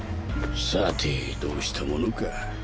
さてどうしたものか。